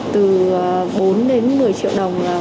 từ bốn đến một mươi triệu đồng